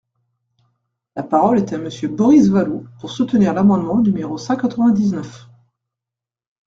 La parole est à Monsieur Boris Vallaud, pour soutenir l’amendement numéro cent quatre-vingt-dix-neuf.